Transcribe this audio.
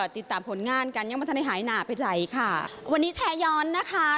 ติดตามผลงานกันยังไม่ทันได้หายหนาไปไหนค่ะวันนี้แชร์ย้อนนะคะ